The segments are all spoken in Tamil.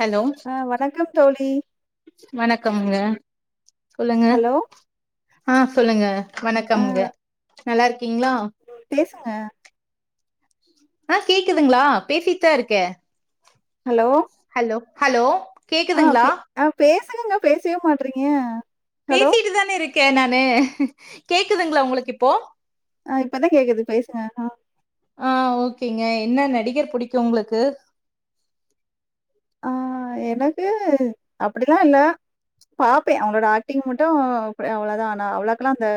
ஹலோ ஆ வணக்கம் தோழி வணக்கம்ங்க சொல்லுங்க ஹலோ ஆ சொல்லுங்க ஆ வணக்கம்ங்க நல்லாருக்கீங்ளா பேசுங்க ஆ கேக்குதுங்ளா பேசிட்தா இருக்கே ஹலோ ஹலோ ஹலோ ஆ கேக்குதுங்ளா பே ஆ பேசுங்கங்க பேசவே மாட்றீங்க ஹலோ பேசிட்டுதான இருக்கே நானு கேக்குதுங்ளா உங்குளுக்கு இப்போ ஆ இப்பதா கேக்குது பேசுங்க அ ஆ ஓகேங்க என்ன நடிகர் புடிக்கு உங்குளுக்கு ஆ எனக்கு அப்டிலா இல்ல பாப்பே அவங்களோட ஆக்டிங் மட்டு அவ்ளோதா ஆனா அவ்ளோக்கல்லா அந்த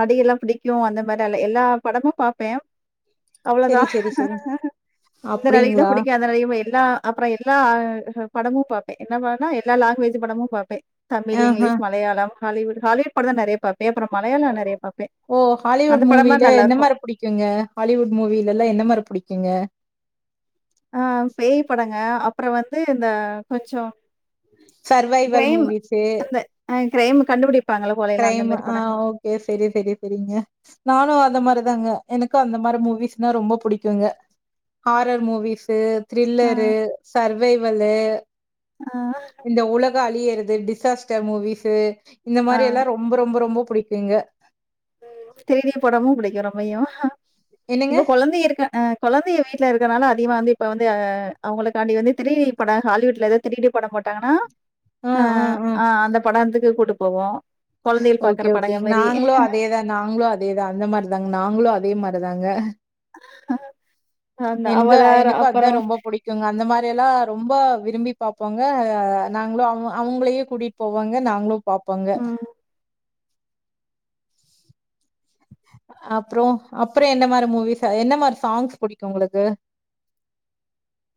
நடிகர்லா புடிக்கு அந்த மாரி அல்ல எல்லா படமு பாப்பே அவ்ளோதா செரி செரி செரி இந்த நடிகர்தா அப்டிங்களா புடிக்கு அந்த நடிக புடிக் எல்லா அப்புறோ எல்லா படமு பாப்பே என்ன படோனா எல்லா லாங்வேஜ் படமு பாப்பே தமிழ் ஆஹா இங்கிலீஷ் மலையாளம் ஹலிவுட் ஹாலிவுட் படோதா நறைய பாப்பே அப்புறோ மலையாளோ நறைய பாப்பே ஓ அந்த ஹாலிவுட் படோலா மூவில என்ன நல்லாருக்கு மாரி புடிக்குங்க ஹாலிவுட் மூவிலலா என்னமாரி புடிக்குங்க ஆ பேய் படோங்க அப்புறோ வந்து இந்த கொஞ்சோ சர்வைவல் மூவீஸு ஆ க்ரைம் கண்டு புடிப்பாங்கள்ல கொலைலா அந்தமாரி படங்கலா யே சேரி சேரி சேரிங்க நானு அந்த மாரிதாங்க எனக்கு அந்த மாரி மூவீஸ்னா ரொம்ப புடிக்குங்க ஹாரர் மூவீஸு ஆ த்ரில்லரு சர்வைவலு ஆ இந்த உலக அழியறது டிசாஸ்டர் மூவீஸு இந்த ஆ மாரி எல்லா ரொம்ப ரொம்ப ரொம்ப புடிக்குங்க ம் தெறியானி படமு புடிக்கு ரொம்பையு என்னங்க? இப்ப கொழந்தை இருக்க அ கொழந்தைங்க வீடல இருக்கனால அதிகமா வந்து இப்ப வந்து அவங்களுக்காண்டி வந்து த்ரீ டி படம் ஹாலிவுட்ல எதா திரீடி படம் போட்டாங்கனா அ ஆ அந்த படத்துக்கு கூட்டு போவோம் குழந்தைகள் பாக்குற படங்க மாரி அதேதான் நாங்களும் அதேதான் அந்த மாரி தாங்க நாங்களும் அதே மாரிதாங்க அந்த எனக்கு அவதார் எனக்கு அதா அப்பறோ ரொம்ப புடிக்குங்க அந்த மாரிலாம் ரொம்ப விரும்பி பாப்பாங்க நாங்களும் அவங் அவங்களயே கூட்டிட் போவங்க நாங்களும் பாப்போங்க ம். அப்பறோ அப்பற என்ன மாரி மூவிஸ் என்ன மாரி சாங்ஸ் புடிக்கும் உங்களுக்கு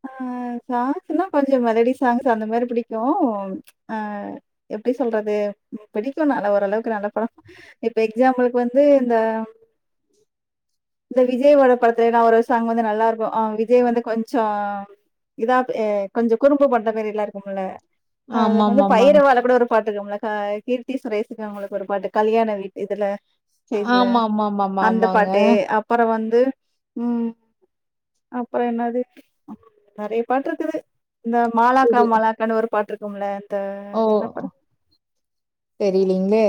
ஆ சாங்ஸ்னா கொஞ்சோ மெலடி சாங்ஸ் அந்த மாரி புடிக்கும் அ எப்டி சொல்றது புடிக்கும் நல்ல ஓரளவுக்கு நல்ல படம் இப்ப எக்ஸாம்பிளுக்கு வந்து இந்த இந்த விஜய்யோட படத்துலலாம் ஒரு சாங் வந்து நல்லா இருக்கும் ஆ விஜய் வந்து கொஞ் சம் இதா கொஞ்சம் குறும்பு பண்ற மாரிலாம் இருக்கும்ல அ அது என்னாது ஆமாமாமாங் பைரவால கூட ஒரு பாட்டு இருக்கும்ல கய் கீர்த்தி சுரேசுக்கு அவங்களுக்கு ஒரு பாட்டு கல்யாண வீட்டு இதுல இதுல அந்த ஆமாமாமாமாமாங்க பாட்டு அப் - அப்பறம் வந்து ம் அப்பறம் என்னாது நறைய பாட்டு இருக்குது இந்த மாலாக்கா செரி மாலாக்கான்னு ஒரு பாட்டு இருக்கும்ல த ஓ என்ன படம் தெரிலீங்ளே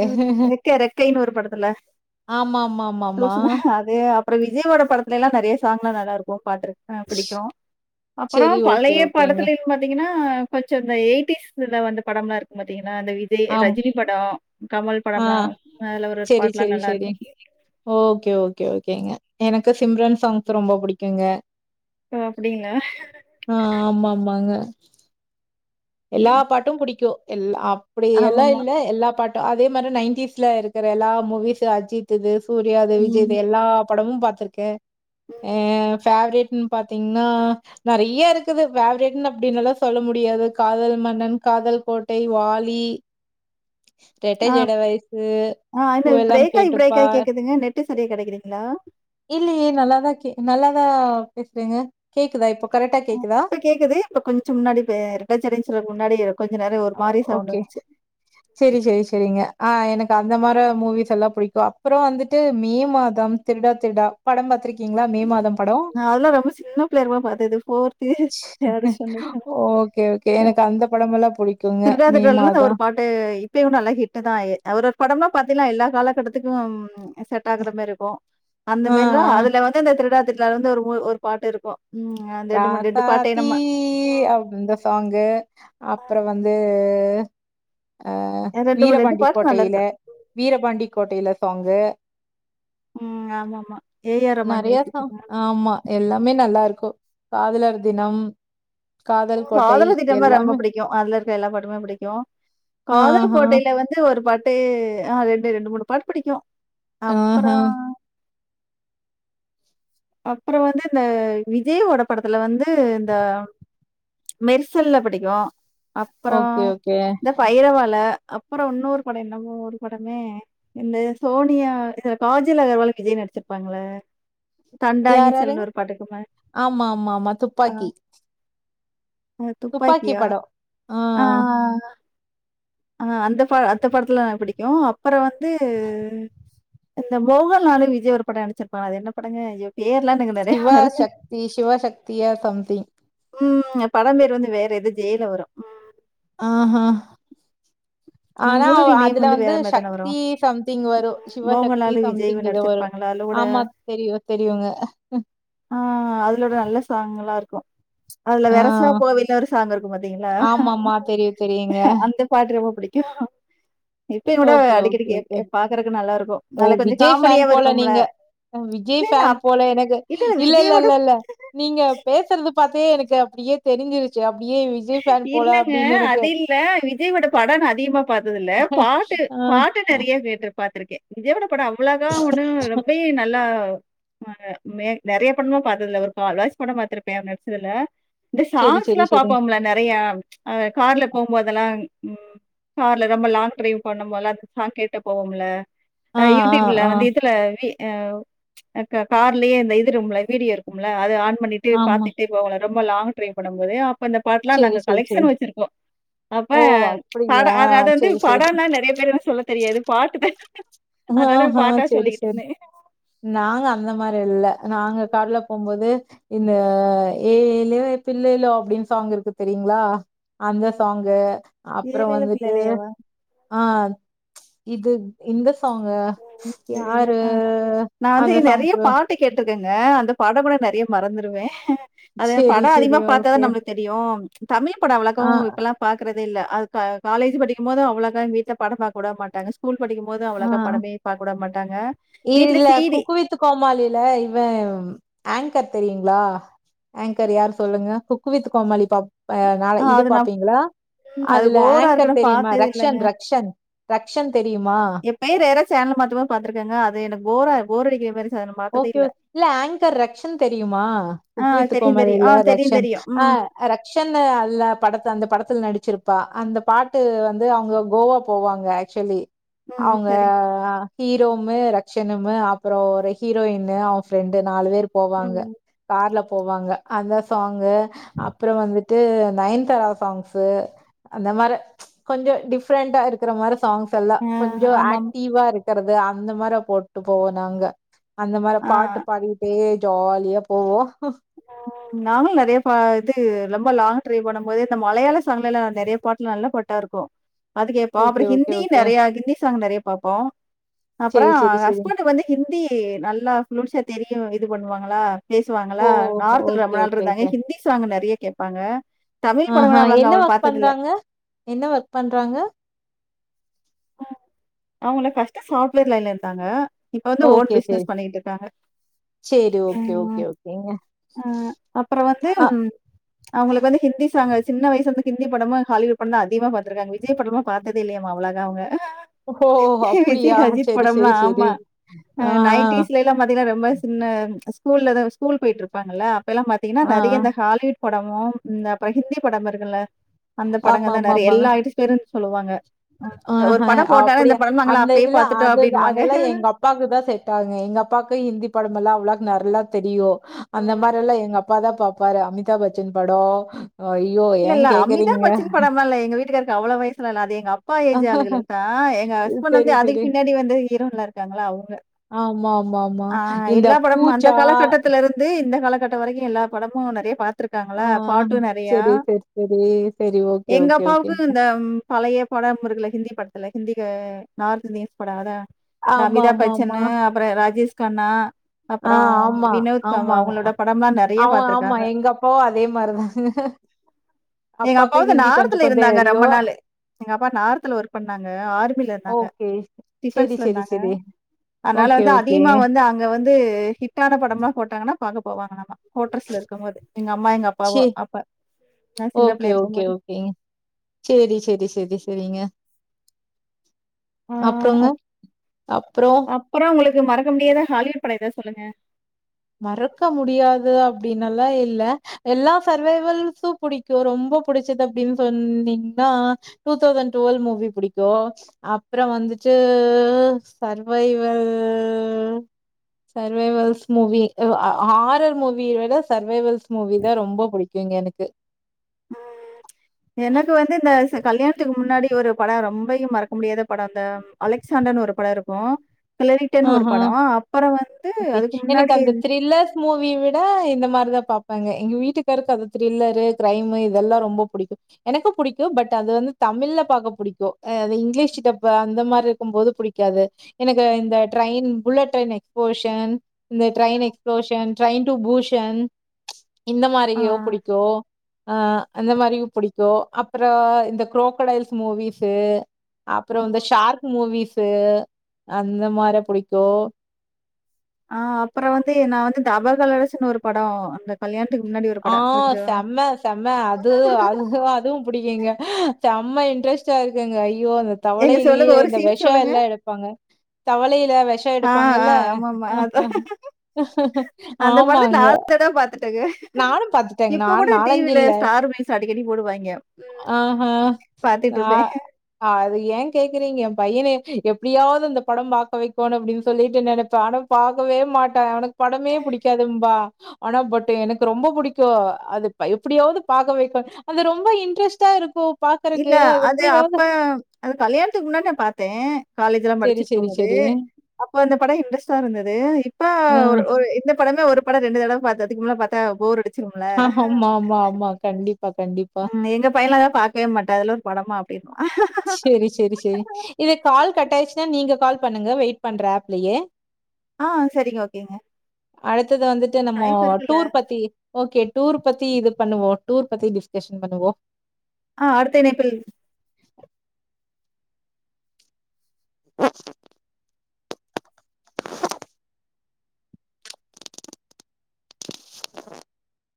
ரெக்கை ரெக்கைன்னு ஒரு படதுல ஆமாம்ம்ம்மா அது அப்பறோ விஜய்யோட படத்துலலாம் நறைய சாங்லாம் நல்லா இருக்கும் பாட் இருக் புடிக்கும் செரி அப்பறம் ஓகே பழைய ஓகேங்க படத்துல பாத்தீங்கனா கொஞ்சம் இந்த எயிட்டிஸ் வந்த படம்லாம் இருக்கும் பாத்தீங்கன்னா அந்த வித் ஆம் ரஜினி படம் கமல் ஆ படம்லாம் மேல ஒரு செரி பாட்டுலாம் செரி நல்லா செரி இருக்கும் ஓகே ஓகே ஓகேங்க எனக்கு சிம்ரன் சாங்ஸ் ரொம்ப புடிக்குங்க ஓ அப்டிங்களா ஆ ஆமாம்மாங்க எல்லா பாட்டும் புடிக்கும் எல்ல அப்டி எல்லா ஆமாமா இல்ல எல்லா பாட் ட அதே மாரி நைன்டிஸ்ல இருக்கிற எல்லா மூவிஸ் அஜித்துது சூர்யாது விஜய்து ம் எல்லா படமும் பாத்துருக்கே அ ஃபேவ்ரேட் பாத்தீங்னா நறைய இருக்குது ஃபேவரைட் அப்டின்ல்லா சொல்ல முடியாது காதல் மன்னன் காதல் கோட்டை வாலி ரெட்ட ஆ ஜட வயசு ஆ இது பூவெல்லாம் ப்ரேக்காய் ப்ரேக்காய் கேட்டுப்பார். கேக்குதுங்க நெட்டு சரியா கிடைக்கலிங்களா இல்லயே நல்லாதா நல்லாதா பேசுறீங்க கேக்குதா இப்போ கரெக்டா கேக்குதா இப்ப கேக்குது இப்ப கொஞ்சம் முன்னாடி ரெட்டச்சடன் சொல்றக்கு முன்னாடி கொஞ்ச நேரம் ஒரு மாரி சவுண்ட் வன்சு சேரி சேரி சேரிங்க ஆ எனக்கு அந்த மார மூவிஸ் எல்லாம் புடிக்கும் அப்பறம் வந்துட்டு மே மாதம் திருடா திருடா படம் பாத்திருக்கீங்களா மே மாதம் படம் நான் அதெல்லாம் ரொம்ப சின்ன பிள்ளையா பாத்தது fourth third standard okay okay எனக்கு அந்த படமல்லாம் புடிக்குங்க மே மாதம் இப்ப இப்பயும் நல்லா ஹிட் தான் அவரு படம்லாம் பாத்தீலாம் எல்லா காலக்கட்டத்துக்கும் செட் ஆக்குற மாரி இருக்கும் அந்த ஆ, ஆ. மேரிலாம் அதுல வந்து இந்த திருடா திருடா வந்து ஒரு மூ ஒரு பாட்டு இருக்கும் ம் ரெண்டு மூணு ரெண்டு பாட்டே நம்ம கீ அது இந்த சாங்கு அப்பறம் வந்து அ ரெண்டு மூணு ரெண்டு வீரபாண்டி பாட்டு நல்லா கோட்டையில இருக்கு வீரபாண்டி கோட்டையில சாங்கு ம் ஆமா ஆமா ஏ ஆர் ரகுமான் நெறைய மியூசிக்கு சாங் தானா ஆமா. எல்லாமே நல்லாருக்கு காதலர் தினம் காதல் கோட்டை எல்லாமே க்யு அதுல இருக்க எல்லா பாட்டுமே புடிக்கு காதல் ஆஹா, கோட்டைல வந் து ஒரு பாட்டு ஆ ரெண்டு ரெண்டு மூணு பாட்டு புடிக்கு அப்பறோ ஆஹா. அப்பறோ வந்து இந்த விஜயோட படத்துல வந்து இந்த மெரிசல்ல புடிக்கு அப்பறோ ஓகே, ஓகே. இந்த பைரவால அப்பறோ உன்னோறு படோ என்னமோ ஒரு படமே இந்த சோனியா இதுல காஜல் அகர்வால் விஜய் நடுச்சுருப்பாங்கள்ள யாராராருங் ஆமா ஆமா ஆமா ஆ துப்பாக்கி அது துப்பாக்கி துப்பாக்கியா? படோ ஆ ஆ ஆ ஆ அந்த பா அந்த படத்துல எனக் புடிக்கு அப்பறோ வந்து இந்த மோகன்லாலு விஜய் ஒரு படொ நடுச்சுருப்பாங்க அது என்ன படங்க ஐயோ பேர்லா எனக் இந்த சிவா சக்தி சிவ சக்தியா சம் திங் ம் படொ பேர் வந்து வேற எது ஜெல வரு ஆ ஹ ம் ஆனா அவ மூவி நேம் அதுல வந்து வேற மாரி தானே வரும்? சக்தி சம்திங் வரு சிவசக்தி மோகன்லாலு விஜய்வு சம்திங் எதோ வரு நடிச்சிருப்பாங்களா அதுல கூட ஆமா தெரியு தெரியுங்க ஆ அதுல ஒரு நல்ல சாங்லா இருக்கு அதுல ஆ வெரசா போவைல ஒரு சாங் இருக்கு பாத்தீங்களா ஆமாமா தெரியு தெரியுங்க அந்த பாட்டு ரொம்ப புடிக்கு இப்ப என்னோட ஓகே ஓகே அடிக்கடிக்க ஓகே கேப்பே பாக்கறக்கு நல்லாருக்கு நல்ல கொஞ்சோ காமடியாவு இருக்கும்ல அ இல்ல விஜய் இல்ல ஃபேன் அப் போல எனக்கு இல்ல இல்ல இல்ல இல்ல நீங்க பேசுறது பாத்தே எனக்கு அப்டியே தெருஞ்சுருச்சு அப்டியே வி இல்லங்க அது இல்ல விஜயோட படோ நா அதிகமா பாத்தது இல்ல பாட்டு ஆ பாட் ட்டு நெறைய கேட்டு பாத்துருக்கே விஜயோட படோ அவ்ளோகா ஒண்ணு ரெம்பயு நல்லா மாக மே நெறைய படம்லா பாத்தது இல்ல ஒரு கால் வாசி படோ பாத்துருப்பே அவெ நடுச்சதுல்ல இந்த செரி சாங்ஸ்ல்லா செரி செரி பாப்போம்ல நெறையா அந்த கார்ல போம் போதல்லா ம் கார்ல ரொம்ப லாங் ட்ரைவ் பண்ணு போல்லா குத் சாங் கேட்டு போவோம்ல ஆ அ ஆ யூடியூப்ல ஆ வந்து இதுல வி அ க கார்லயே இந்த இது இரும்ல வீடியோ இருக்கும்ல அது ஆன் பண்ணிட்டு ஆமா பாத்துட்டு போவோல ரொம்ப லாங் ட்ரைவ் பன்னும் போதே அப்ப இந்த பாட்லா செரி நாங்க செரி செரி கலெக்சன் வச்சுருக்கோ அப்ப ஓ படோ அப்டியா அது அது வந்து செரி செரி படொனா நெறைய பேரு வந்து சொல்ல தெரியாது பாட்டுதா அதாதா ஆஹா பாட்டா செரி சொல்லிட்டு செரி இருந்தே நாங்க அந்த மாரி இல்ல நாங்க கார்ல போம்போது இந்த ஏ ஏலோ தில்லேலோ அப்டின் சாங் இருக்கு தெரியுங்களா அந்த சாங்கு அப்பறோ ஏலேல வந்துட்டு பிள்ளேலேவா? ஆ இது இந்த சாங்கு தெரியல. யாரு அந்த சாங்க்கு ட்டு கேட்டுருக்கங்க அந்த படம்லா நெறைய மறந்துருவே அது எனக் சரி, படோ சரி அதிகமா பாத்தாதா ஓகே. நம்மளுக் தெரியு தமிழ் படோ ஆ, அவ்ளோக்காவு இப்பல்லா பாக்குறதே இல்ல அது க காலேஜு படிக்கும் போது அவ்ளோக்கா எங்க வீட்ல படோ பாக்க விட மாட்டாங்க ஸ்கூல் படிக்கும் போது ஆ அவ்ளோக்கா படமே பாக்க வுட மாட்டாங்க வீட்ல சீ டி குக் வித் கோமாளில இவெ ஆங்கர் தெரியுங்களா ஆங்கர் யார் சொல்லுங்க குக்குவித் கோமாளி பாப் ஆ நாள இது அது நான் பாப்பீங்களா ம் அது அதுல போரா ஆங்கர் இருக்குன்னு தெரியுமா பார்த்தது இல்லங்க. ரக்க்ஷன் ரக்க்ஷன் ரக்க்ஷன் தெரியுமா பெயர் ஏற சேனல் மாத்தும் போது பாத்துருக்கங்க அது எனக்கு போர்ரா போரடிக்குர மாரி இருந்துச்சு. அத நான் பார்த்ததே ஓகே ஓக் இல்ல ஆங்கர் ரக்க்ஷன் தெரியுமா ஆ குக்வித் தெரியும், தெரியும். கோமலில ஆ தெரியும், ரக்க்ஷன் தெரியும். ஆ ம், ரக்க்ஷன்னு அல்ல படத்த அந்த படத்துல நடிச்சிருப்பா அந்த பாட்டு வந்து அவங்க கோவா போவாங்க சொல்லி‌ ம். அவுங்க சரிங்க. ஹீரோமு ரட்சனுமூ அப்பறோ ஒரு ஹீரோயினு அவ ஃப்ரெண்டு நாலு பேர் போவாங்க ம். கார்ல போவாங்க அந்த சாங்கு அப்பறோ வந்துட்டு நயன்தாரா சாங்ஸு அந்த மார் கொஞ்சோ டிஃப்ரெண்டா இருக்கற மாரி சாங்ஸ் தெல்ல ஆ கொஞ்சோ ஆமாமா. ஆக்டிவா இருக்கறது அந்த மாரி போட்டு போவோ நாங்க அந்த மாரி ஆ. பாட்டு பாடிட்டே ஜாலியா போவோ ம் நாங்களு நறையா பா இது ரொம்ப லாங் ட்ரைவ் பண்ணும் போது இந்த மலையாள சாங்லல்லா நெறைய பாட்டு நல்ல பாட்டா இருக் போ அது கேப்போ ஓகே, அப்பறோ ஓகே, ஹிந்தி ஓகே. நெறையா ஹிந்தி சாங் நறைய பாப்போ அப்பறோ சரி, சரி, சரி. ஹஸ்பண்ட் வந்து ஹிந்தி நல்லா ஃபுளுயன்சியா தெரியு இது பண்ணுவாங்களா பேசுவாங்களா ஓ! நார்த்துல ஓகே, ரொம்ப நாள் ஓகே, இருந்தாங்க ஓகே. ஹிந்தி சாங் நறைய கேப்பாங்க தமிழ் படங்கல அவளக்கா அவரு பாத்ததுல்ல அ என்ன ஒர்க் பண்றாங்க அவங்கள ஃபஸ்ட் சாஃப்ட்வேர் லைன்ல இருந்தாங்க இப்ப வந்து ஓன் பிசினஸ் பண்ணீட்டுருக்காங்க சேரி ஓகே ஓகே ஓகேங்க அ அவுங்களுக்கு வந்து ஹிந்தி சாங்கு சின்ன வயசுலந்து ஹிந்தி படமு ஹாலிவுட் படோதா அதிகமா பாத்துருக்காங்க வீட் விஜய் படலா பாத்ததே இல்லையமா அவளோகா அவங்க ஓ! அப்படியா? விஜய் அஜித் சரி, படம் லா சரி, சரி. ஆமா அ ஆஹா. நைட்டீஸ்ல [unintelligible] பாத்திங்கன்னா ரொம்ப சின்ன ஸ்கூல்ல தா ஸ்கூல் போயிட்டு இருப்பாங்களா அப்பைலா பாத்தீங்கன்னா ஆ. நறைய இந்த ஹாலிவுட் படமு இந்த அப்பறோ ஹிந்தி படம் இருக்குல்ல அந்த படங்க தா நறைய எல்லா ஐடிஸ் பேருன் சொல்லுவாங்க ம். அ ஒரு ஹ படம் போட்டாலே இந்த அப்படியா படம் நாங்கலாம் அந்த அப்பயே இதுல பார்த்துட்டோம் அது அப்டின்னுவாங்க. அதெல்லா எங்க அப் பாக்கு தா செட் ஆகுங்க எங்க அப்பாக்கு ஹிந்தி படமெல்லா அவ்லாக் நர்லா தெரியு அந்த மாரியெல்லா எங்க அப் பாதா பாப்பாரு அமிதாப் பச்சன் படோ ஐயோ எங் அமிதா பச்சன் படம்லா இல்ல எங்க வீட்டுகாருக்கு அவ்ளோ வயசுலா இல்ல அது எங்க அப் பா ஏஜ் ஆளுகளுக்கு தா எங்க ஹஸ்பண்ட் சரி, வந்து அதுக்கு சரி. பின்னாடி வந்து ஈரோன்லா இருக்காங்களா அவுங்க ஆமா, ஆமா, ஆமா. அ இந்த எல்லா படமு அந்த பூஜா. காலக் கட்டத்துல இருந் இதே இந்த காலகட்ட வரைக்கு எல்லா படமு நெறைய பாத் அ ஆஹா செரி சேர் செரி எங்க அப்பாவுக்கு இந்த பழைய படம் இருக்குல்ல ஹிந்தி படத்துல ஹிந்திக்கு நார்த் இந்தியன்ஸ் படோ அதா இந்த ஆமா, அமிதாப் ஆமா, ஆமா. பச்சன்னு அப்பறோ ராஜேஷ் கண்ணா ஆ அப்பறோ ஆமா, வினோத் அவங்க ஆமாங்க. அவங்களோட படம்லா நெறைய பாத்துருக்காங்க இப்போவு அதே மாரிதாங்க எங்க அப்பாவது நார்த்துல கொஞ்சம் இருந்தாங்க ரொம்ப தெரியும். நாளு எங்க அப்பா நார்த்துல ஒர்க் பண்ணாங்க ஆர்மில இருந்தாங்க ஓகே செரி டிபென்ஸ்ல செரி இருந்தாங்க செரி அதனால ஓகே வந்து ஓகே அதிகமா வந்து அங்க வந்து ஹிட்டான படம்லா போட்டாங்கன்னா பாக்க போவாங்கலாமா கோட்டர்ஸ்ல இருக்கு போது எங்க அம்மா எங்க சி அப்பாவோ அப்ப ஓகே ஓகே ஓகேங்க சேரி சேரி சேரி செரிங்க ஆ அப்றோங்க அப்றோ அப்பறோ உங்களுக்கு மறக்க முடியாத ஹாலிவுட் படோ எதா சொல்லுங்க மறக்க முடியாது அப்டினல்லா இல்ல எல்லா சர்வைவல்ஸு புடிக்கு ரொம்போ புடிச்சது அப்டின் சொன்னீங்னா டூ தௌசண்ட் டுவல் மூவி புடிக்கு அப்றோ வந்துட்டு சர்வைவல் சர்வைவல்ஸ் மூவி வ் அ ஆரர் மூவி விட சர்வைவல்ஸ் மூவி தா ரொம்போ புடிக்குங்க எனக்கு எனக்கு வந்து இந்த ச கல்யாணத்துக்கு முன்னாடி ஒரு பட ரொம்பையு மறக்க முடியாத படோ இந்த அலெக்சாண்டர்ன்னு ஒரு படோ இருக்கு கிலரிட்டன் ஒரு ஆஹா படோ அப்பற வந்து ஓகே அதுக்கு எனக்கு முன்னாடி அந்த த்ரில்லர்ஸ் மூவி விட இந்த மாரிதா பாப்பாங்க எங்க வீட்டுக்காருக்கு அத திரில்லரு கிரைமு இதெல்லா ரொம்போ புடிக்கு எனக்கு புடிக்கு பட் அது வந்து தமிழ்ல பாக்க புடிக்கு அ இங்கிலீஷ் டப்பு அந்த மாரி இருக்கும் போது புடிக்காது எனக்கு இந்த ட்ரயின் புலட் ட்ரயின் எஸ்போஷன் இந்த ட்ரயின் எக்ஸ்ப்லோஷன் ட்ரயின் டு பூஷன் இந்த ஆ மாரியோ புடிக்கு ஆ அந்த மாரியு புடிக்கு அப்பறோ இந்த க்ரோகடைல்ஸ் மூவிஸு அப்றோ இந்த ஷார்க் மூவிஸு அந்த மாரி புடிக்கு ஆ அப்பற வந்து நா வந்து தபா கலர்ஸ்ன்னு ஒரு படோ அந்த கல்யாண்த்துக்கு முன்னாடி ஒரு ஆ படம். கொஞ்சம் செம்ம செம்ம அது அதுஹு அது புடிக்குங்க சம்ம இன்ட்ரெஸ்டா இருக்கங்க ஐயோ அந்த ஏங்க தவளைலியே சொல்லுங்க. ஒரு அந்த சீன் வெஷோ சொல்லுங்க. எல்லா எடுப் ப்பாங்க தவளைல வெஷ் ஆ ஆ ஆமா ஆமா அதா அந்த படத்த ஆமாங்க. நாலு தடவ பாத்துருக் [unintelligible] நானும் பாத்துட்டேங்க. இப்ப கூட நான் டிவில இல்ல. ஸ்டார் [unintelligible] அடிக்கடி போடுவாய்ங்க ஆஹ. ஆ. பாத்துட்ருப்பே அது ஏன் கேக்குறீங்க என் பையன எப்டியாவது அந்த படம் பாக்க வெக்கோனு அப்டின் சொல்லிட்டு நெனப்ப ஆனா பாக்கவே மாட்டான் அவனுக் படமே புடிக்காதுன்பா ஆனா பட் எனக் கு ரொம்போ புடிக்கு அது ப எப்டியாவது பாக்க வெக்க அது ரொம்ப இன்ட்ரெஸ்டா இருக்கு இல்ல அது அப்ப அது கல்யாண்த்துக் முன்னாடி நா பாத்தே காலேஜ் எல்லா சரி, சரி, படிச்சிட்ருக்கும்போது சரி. அப்ப அந்த பட இன்ட்ரெஸ்ட்டா இருந்தது இப்ப அ ஒரு ஒரு எந்த படமே ஒரு பட ரெண்டு தடவ பாத்த அதுக்கு மேல பாத்தா போரடி அஹ் ஆமா ஆமா ஆமா கண்டிப்பா கண்டிப்பா ம் எங்க பையன்லா அத பாக்கவே மாட்டா அதல்லா ஒரு படமா அப்படின்னுவான். ஷெரி ஷெரி ஷெரி இது கால் கட்டாயிட்ச்சுனா நீங்க கால் பண்ணுங்க வெயிட் பண்ற ஆப்லயே ஆ சரிங்க ஓகேங்க அடுத்தது வந்துட்டு நம்மோ டைம் இருக்குல்ல. டூர் பத்தி ஓகே டூர் பத்தி இது பண்ணுவோ டூர் பத்தி டிஸ்கஷன் பண்ணுவோ ஆ அடுத்த நேப்பில் ஆ [inaudible]